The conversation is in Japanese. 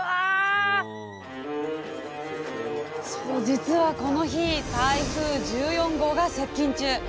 実はこの日台風１４号が接近中。